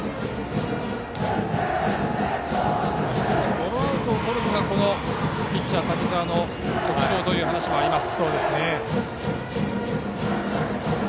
ゴロアウトをとるのがピッチャーの滝沢の特徴という話もあります。